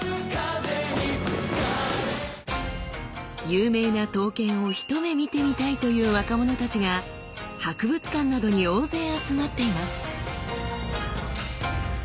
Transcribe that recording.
有名な刀剣を一目見てみたいという若者たちが博物館などに大勢集まっています。